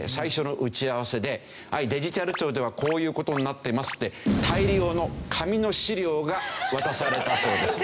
デジタル庁ではこういう事になっていますって大量の紙の資料が渡されたそうです。